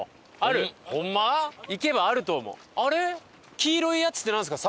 黄色いやつってなんですか？